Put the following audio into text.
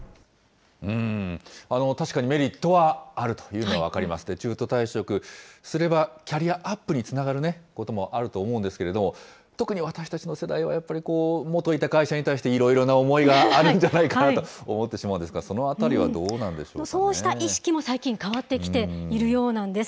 確かにメリットはあるというのは分かりますけれども、中途退職すれば、キャリアアップにつながることもあると思うんですけれども、特に私たちの世代はやっぱり元いた会社に対していろいろな思いがあるんじゃないかなと思ってしまうんですが、そのあたりはどうなそうした意識も最近変わってきているようなんです。